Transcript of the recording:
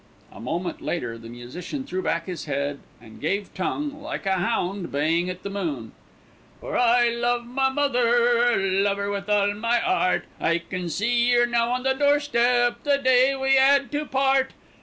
A moment later the musician threw back his head and gave tongue, like a hound baying at the moon: For I love my mother, love 'er with all my 'eart, I can see 'er now on the doorstep, the day we 'ad to part.